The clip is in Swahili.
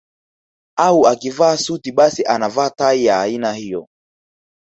Au akivaa suti basi anavaa tai ya aina hiyo